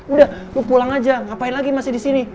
udah lu pulang aja ngapain lagi masih disini